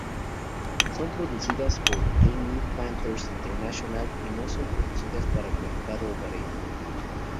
Son producidas por Gaming Partners International y no son producidas para el mercado hogareño.